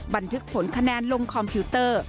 บันทึกผลคะแนนลงคอมพิวเตอร์